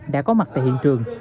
đã có mặt tại hiện trường